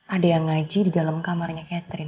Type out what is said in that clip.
ada yang ngaji di dalam kamarnya catherine